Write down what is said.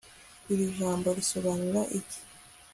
iri jambo risobanura iki